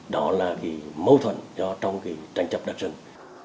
đó là mâu thuẫn trong tranh chấp đất rừng